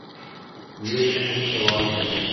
یہ اہم سوال ہے۔